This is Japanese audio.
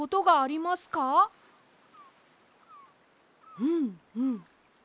うんうん。